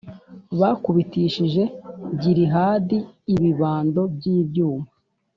bakubitishije Gilihadi ibibando by’ibyuma,